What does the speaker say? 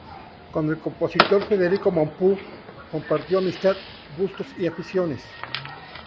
Con el compositor Federico Mompou compartió amistad, gustos y aficiones.